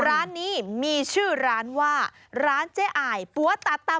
ร้านนี้มีชื่อร้านว่าร้านเจ๊อายปั๊วตาตำ